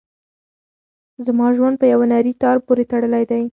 زما ژوند په یوه نري تار پورې تړلی دی.